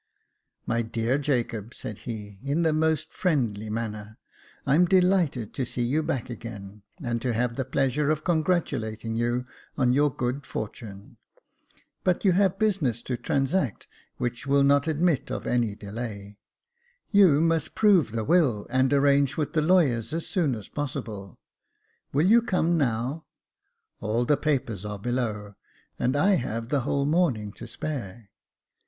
" My dear Jacob," said he, in the most friendly manner, " I'm delighted to see you back again, and to have the pleasure of congratulating you on your good fortune. But you have business to transact which will not admit of any delay. You must prove the will, and arrange with the lawyers as soon as possible. Will you come now ? All the papers are below, and I have the whole morning to spare.